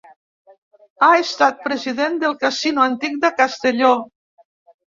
Ha estat president del Casino Antic de Castelló.